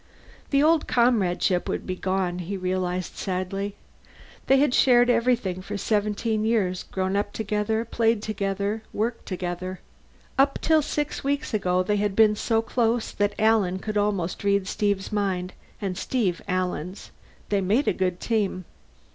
The old comradeship would be gone, he realized sadly. They had shared everything for seventeen years, grown up together, played together, worked together. Up till six weeks ago they had been so close that Alan could almost read Steve's mind, and Steve Alan's. They made a good team.